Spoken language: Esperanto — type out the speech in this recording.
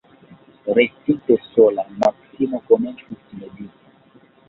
Restinte sola, Maksimo komencis mediti.